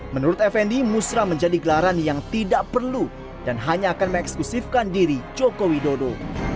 menurut effendi musrah menjadi gelaran yang tidak perlu dan hanya akan mengeksklusifkan diri joko widodo